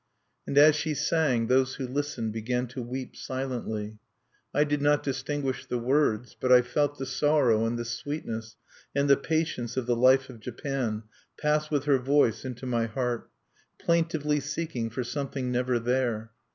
And as she sang, those who listened began to weep silently. I did not distinguish the words; but I felt the sorrow and the sweetness and the patience of the life of Japan pass with her voice into my heart, plaintively seeking for something never there.